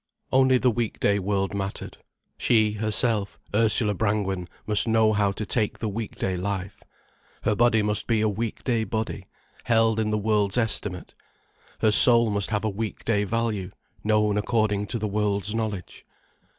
Only the weekday world mattered. She herself, Ursula Brangwen, must know how to take the weekday life. Her body must be a weekday body, held in the world's estimate. Her soul must have a weekday value, known according to the world's knowledge.